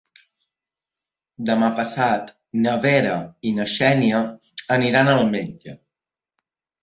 Demà passat na Vera i na Xènia aniran al metge.